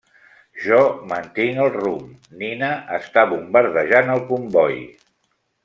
Jo mantinc el rumb, Nina està bombardejant el comboi.